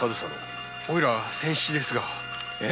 おいら仙七ですが。